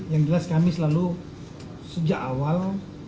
yang jelas kami selalu sejak awal